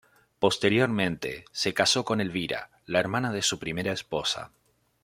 Posteriormente, se casó con Elvira, la hermana de su primera esposa.